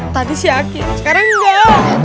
tadi si yakin sekarang nggak